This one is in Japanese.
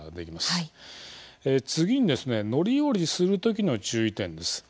次にですね乗り降りする時の注意点です。